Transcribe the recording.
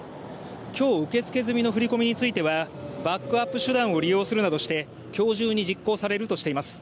今日、受け付け済みの振り込みについてはバックアップ手段を利用するなどして今日中に実行されるとしています。